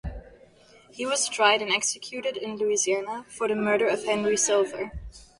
He was tried and executed in Louisiana for the murder of Henry Silver.